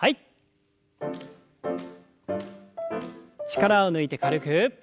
力を抜いて軽く。